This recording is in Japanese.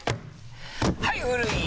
はい古い！